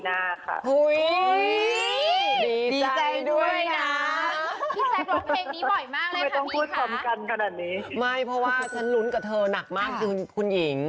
ไม่เพราะว่าฉันลุ้นกับเธอหนักมากคือคุณหญิง